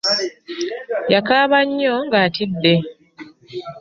Yakaaba nnyo nga atidde.